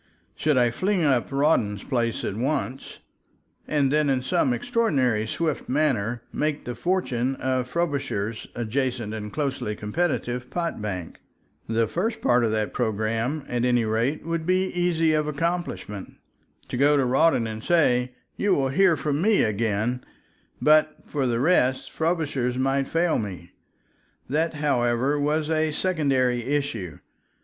Should I fling up Rawdon's place at once and then in some extraordinary, swift manner make the fortune of Frobisher's adjacent and closely competitive pot bank? The first part of that program, at any rate, would be easy of accomplishment, to go to Rawdon and say, "You will hear from me again," but for the rest, Frobisher might fail me. That, however, was a secondary issue.